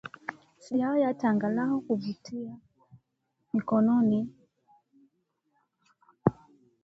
Sijawahi hata angalau kuvitia mikononi vijiti hivi vya ulindi na ulimbombo